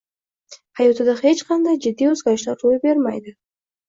hayotida hech qanday jiddiy o‘zgarishlar ro‘y bermaydi.